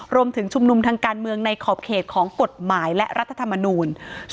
รวมถึงชุมนุมทางการเมืองในขอบเขตของกฎหมายและรัฐธรรมนูล